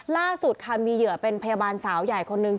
ล่าสุดค่ะมีเหยื่อเป็นพยาบาลสาวใหญ่คนนึง